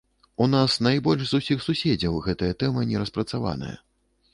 У нас найбольш з усіх суседзяў гэтая тэма не распрацаваная.